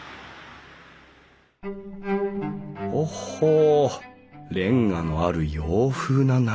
ほほうレンガのある洋風な内装。